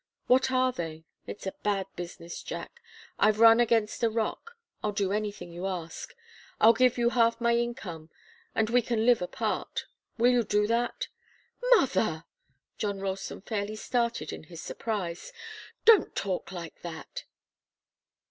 What are they? It's a bad business, Jack. I've run against a rock. I'll do anything you ask. I'll give you half my income, and we can live apart. Will you do that?" "Mother!" John Ralston fairly started in his surprise. "Don't talk like that!"